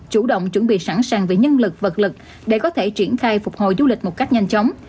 chủ động chuẩn bị sẵn sàng về nhân lực vật lực để có thể triển khai phục hồi du lịch một cách nhanh chóng